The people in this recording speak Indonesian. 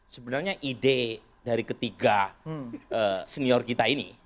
sebenarnya ide dari ketiga senior kita ini